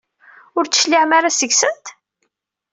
Ur d-tecliɛem ara seg-sent?